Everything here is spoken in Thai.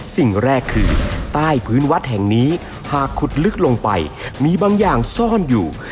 สิ่งแรกคือใต้พื้นวัดแห่งนี้หากขุดลึกลงไปมีบางอย่างซ่อนอยู่